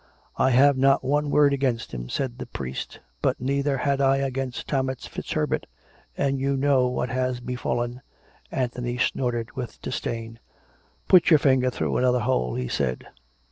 " I have not one word against him," said the priest. " But neither had I against Thomas FitzHerbert ; and you know what has befallen " Anthony snorted with disdain. " Put your finger through another hole," he said.